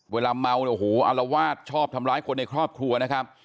เวลาเมาเนี่ยโอ้โหอารวาสชอบทำร้ายคนในครอบครัวนะครับ